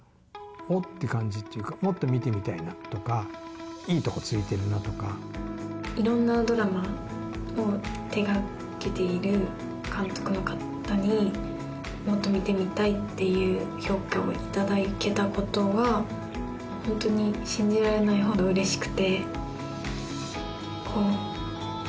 おって感じっていうかもっと見てみたいなとかいいとこついてるなとか色んなドラマを手がけている監督の方にもっと見てみたいっていう評価をいただけたことはホントに思いました